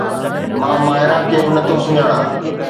مان ماهرا کي به نٿو سڃاڻان